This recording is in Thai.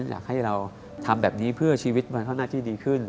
อยากให้เราทำแบบนี้เพื่อชีวิตมันเข้าหน้าที่ดีขึ้น